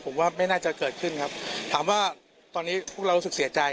ผมว่าไม่น่าจะเกิดขึ้นครับถามว่าตอนนี้พวกเรารู้สึกเสียใจ